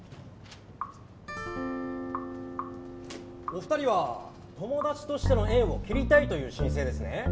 お二人は友達としての縁を切りたいという申請ですね。